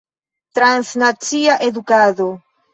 Transnacia edukado.